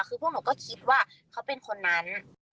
คือพวกหนูก็คิดว่าเขาเป็นคนนั้น